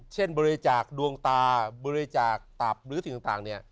เช่นบริจาคดวงตาบริจาคตับหรือสิ่งต่างเนี่ย